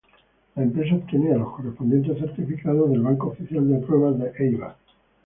La empresa obtenía los correspondiente certificados del Banco Oficial de Pruebas de Éibar.